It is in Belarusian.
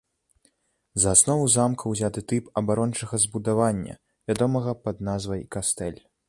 За аснову замка ўзяты тып абарончага збудавання, вядомага пад назвай кастэль.